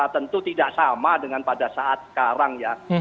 tentu tidak sama dengan pada saat sekarang ya